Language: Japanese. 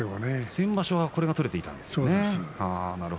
先場所はこれが取れていたんですね。